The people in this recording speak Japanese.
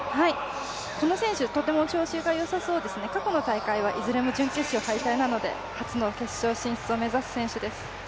この選手、とても調子がよさそうですね、過去の大会はいずれも準決勝敗退なので初の決勝進出を目指す選手です。